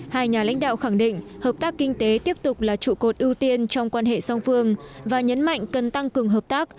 hai nhà lãnh đạo khẳng định hợp tác kinh tế tiếp tục là trụ cột ưu tiên trong quan hệ song phương và nhấn mạnh cần tăng cường hợp tác